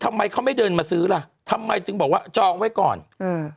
ทำไมเขาไม่เดินมาซื้อล่ะทำไมจึงบอกว่าจองไว้ก่อนอืม